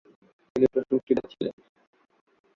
তিনি প্রশংসিত ছিলেন।